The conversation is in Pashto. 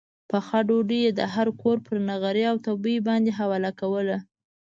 پخه ډوډۍ یې د هر کور پر نغري او تبۍ باندې حواله وه.